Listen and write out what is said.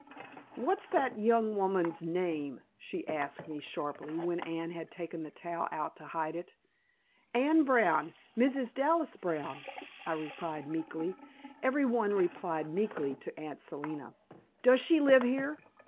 "What's that young woman's name?" she asked me sharply, when Anne had taken the towel out to hide it. "Anne Brown, Mrs. Dallas Brown," I replied meekly. Every one replied meekly to Aunt Selina. "Does she live here?"